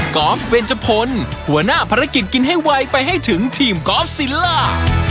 อล์ฟเวนจพลหัวหน้าภารกิจกินให้ไวไปให้ถึงทีมกอล์ฟซิลล่า